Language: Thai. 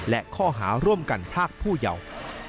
และข้อหาร่วมกันพรากผู้เยาว์